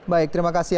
baik terima kasih